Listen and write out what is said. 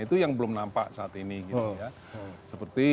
itu yang belum nampak saat ini seperti